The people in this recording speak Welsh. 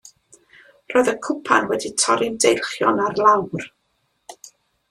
Roedd y cwpan wedi torri'n deilchion ar lawr.